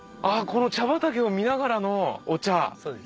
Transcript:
この茶畑を見ながらのお茶。